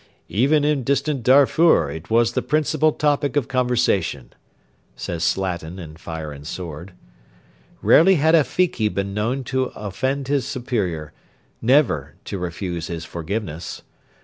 'Even in distant Darfur it was the principal topic of conversation' [Slatin, FIRE AND SWORD]. Rarely had a Fiki been known to offend his superior; never to refuse his forgiveness.